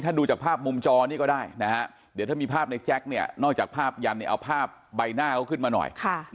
ถ้าดูจากภาพมุมจอนี่ก็ได้นะฮะเดี๋ยวถ้ามีภาพในแจ็คเนี่ยนอกจากภาพยันเนี่ยเอาภาพใบหน้าเขาขึ้นมาหน่อย